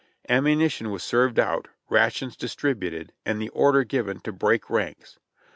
Ammunition was served out, rations distributed, and the order given to "break ranks."